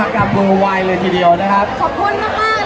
ขอบคุณมากนะคะแล้วก็แถวนี้ยังมีชาติของ